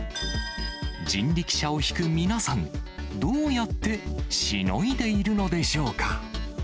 人力車を引く皆さん、どうやってしのいでいるのでしょうか。